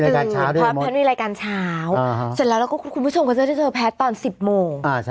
พระพัทมีรายการเช้าเสร็จแล้วคุณผู้ชมก็เจอพระพัทตอน๑๐โมง